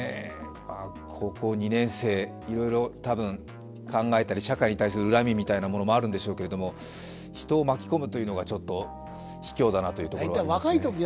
高校２年生、いろいろ多分考えたり社会に対する恨みみたいなものがあるんでしょうけれども、人を巻き込むというのがちょっとひきょうだなというところがありますね。